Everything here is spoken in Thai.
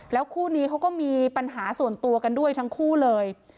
คู่นี้เขาก็มีปัญหาส่วนตัวกันด้วยทั้งคู่เลย